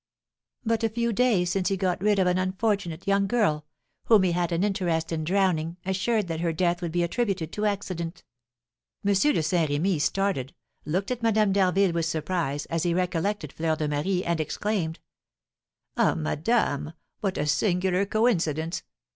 "But a few days since he got rid of an unfortunate young girl, whom he had an interest in drowning, assured that her death would be attributed to accident." M. de Saint Remy started, looked at Madame d'Harville with surprise, as he recollected Fleur de Marie, and exclaimed: "Ah, madame, what a singular coincidence!